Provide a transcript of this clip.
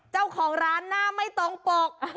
เจ้าของร้านหน้าไม่ตรงปก